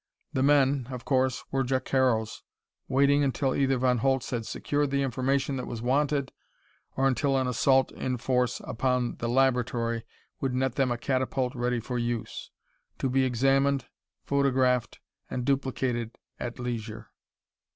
The men, of course, were Jacaro's, waiting until either Von Holtz had secured the information that was wanted, or until an assault in force upon the laboratory would net them a catapult ready for use to be examined, photographed, and duplicated at leisure.